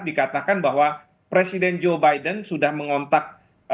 dikatakan bahwa presiden joe biden sudah mengontak